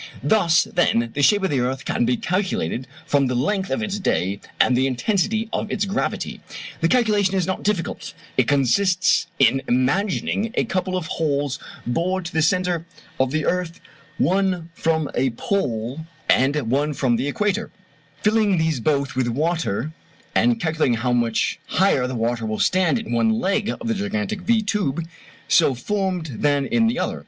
Thus, then, the shape of the earth can be calculated from the length of its day and the intensity of its gravity. The calculation is not difficult: it consists in imagining a couple of holes bored to the centre of the earth, one from a pole and one from the equator; filling these both with water, and calculating how much higher the water will stand in one leg of the gigantic V tube so formed than in the other.